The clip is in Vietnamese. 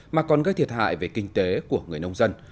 mà còn gây thiệt hại về kinh tế của người nông dân